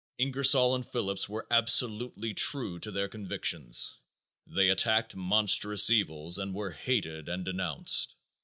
Ingersoll and Phillips were absolutely true to their convictions. They attacked monstrous evils and were hated and denounced.